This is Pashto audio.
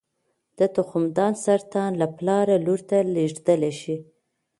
د تخمدان سرطان له پلاره لور ته لېږدېدلی شي.